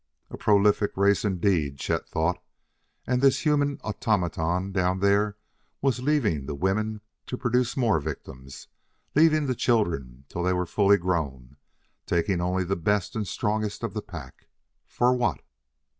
A prolific race, indeed, Chet thought, and this human automaton down there was leaving the women to produce more victims; leaving the children till they were fully grown, taking only the best and strongest of the pack for what?